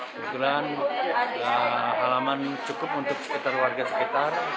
kebetulan halaman cukup untuk sekitar warga sekitar